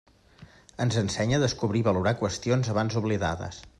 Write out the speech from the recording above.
Ens ensenya a descobrir i valorar qüestions abans oblidades.